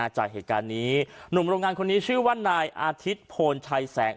จากเหตุการณ์นี้หนุ่มโรงงานคนนี้ชื่อว่านายอาทิตย์โพนชัยแสง